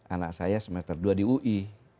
anak saya semester dua di ui